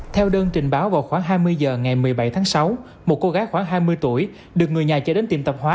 theo đơn trình báo vào khoảng hai mươi h ngày một mươi bảy tháng sáu một cô gái khoảng hai mươi tuổi được người nhà chở đến tìm tập hóa